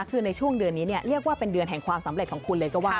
คือในช่วงเดือนนี้เรียกว่าเป็นเดือนแห่งความสำเร็จของคุณเลยก็ว่า